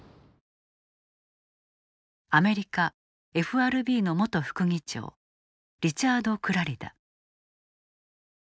アメリカ、ＦＲＢの元副議長リチャード・クラリダ。